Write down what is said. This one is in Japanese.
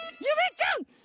ゆめちゃん！